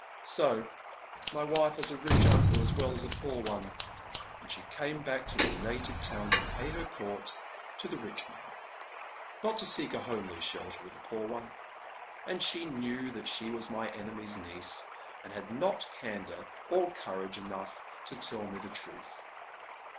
" So my wife has a rich uncle as well as a poor one ; and she came back to her native town to pay her court to the rich man, not to seek a homely shelter with the poor one. And she knew foat she was my enemy's niece, and had not candour or courage enough to tell me the truth.